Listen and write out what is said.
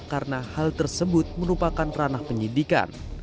karena hal tersebut merupakan ranah penyidikan